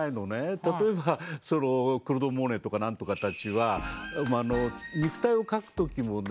例えばクロード・モネとか何とかたちは肉体を描く時もね